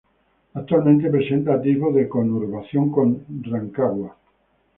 Actualmente presenta atisbos de conurbación con Rancagua.